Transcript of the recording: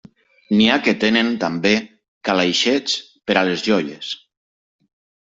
N'hi ha que tenen també calaixets per a les joies.